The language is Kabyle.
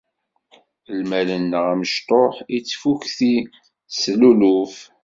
Lmal-nneɣ amecṭuḥ ittfukti s luluf.